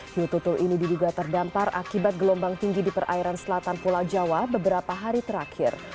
hiu tutul ini diduga terdampar akibat gelombang tinggi di perairan selatan pulau jawa beberapa hari terakhir